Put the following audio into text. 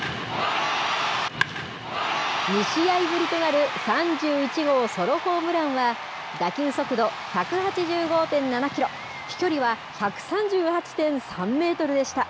２試合ぶりとなる３１号ソロホームランは、打球速度１８５．７キロ、飛距離は１３８．３メートルでした。